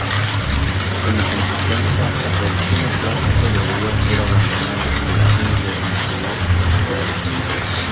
Como consecuencia, el chino clásico debería ser abandonado y el chino vernacular promovido.